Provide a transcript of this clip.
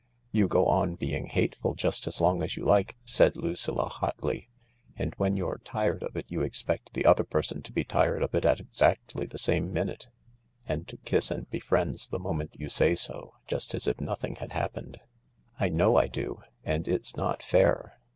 " You go on being hateful just as long as you like," said Lucilla hotly, " and when you're tired of it you expect the other person to be tired of it at exactly the same minute, and ui 112 THE LARK to kiss and be friends the moment you say so, just as if nothing had happened." " I know I do 1 And it's not fair